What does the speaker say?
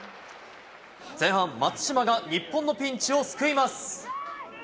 前半、松島が日本のピンチを救います。